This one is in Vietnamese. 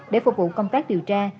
để phục vụ công tác điều tra